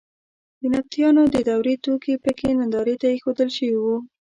د نبطیانو د دورې توکي په کې نندارې ته اېښودل شوي وو.